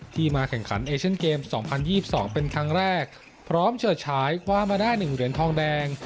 ที่มาแข่งขันเอเชนเกมสองพันยี่สิบสองเป็นครั้งแรกพร้อมเฉิดฉายความมาได้หนึ่งเหรียญทองแดง